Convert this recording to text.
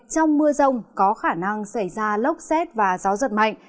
trong mưa rông có khả năng xảy ra lốc xét và gió giật mạnh